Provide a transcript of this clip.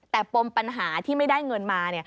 แต่ปมปัญหาที่ไม่ได้เงินมา